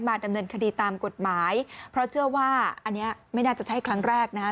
ดำเนินคดีตามกฎหมายเพราะเชื่อว่าอันนี้ไม่น่าจะใช่ครั้งแรกนะฮะ